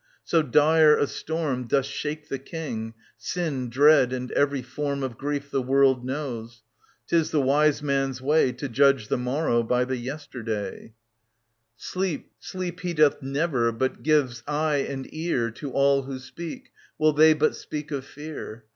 So dire a storm Doth shake the King, sin, dread and every form Of grief the world knows. 'Tis the wise man's way To judge the morrow by the yester day ; 51 SOPHOCLES »▼. 917 933 Sleep ^^^^°*^ never, but gives eye and ear J all who speak, will they but speak of fear.